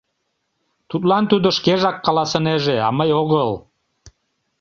Тудлан тудо шкежак каласынеже, а мый огыл.